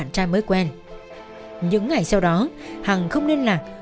tại một quán ăn ở hà nội